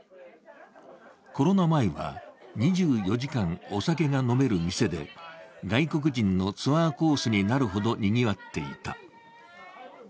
コロナ前は２４時間お酒が飲める店で外国人のツアーコースになるほどにぎわっていた。